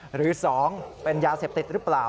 หรือ๒เป็นยาเสพติดหรือเปล่า